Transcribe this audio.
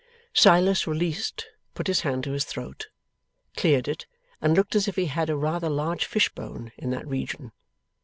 Silas, released, put his hand to his throat, cleared it, and looked as if he had a rather large fishbone in that region.